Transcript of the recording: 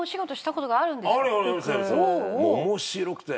もう面白くて。